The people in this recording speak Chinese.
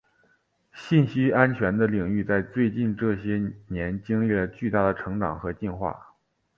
信息安全的领域在最近这些年经历了巨大的成长和进化。